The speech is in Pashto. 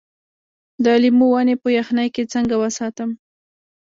د لیمو ونې په یخنۍ کې څنګه وساتم؟